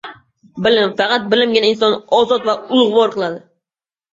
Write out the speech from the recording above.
Bilim, faqat bilimgina insonni ozod va ulug‘vor qiladi.